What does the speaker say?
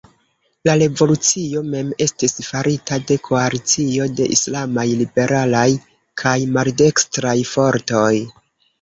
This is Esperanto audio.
La revolucio mem estis farita de koalicio de islamaj, liberalaj kaj maldekstraj fortoj.